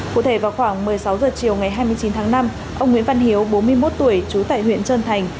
cụ thể vào khoảng một mươi sáu h chiều ngày hai mươi chín tháng năm ông nguyễn văn hiếu bốn mươi một tuổi trú tại huyện trơn thành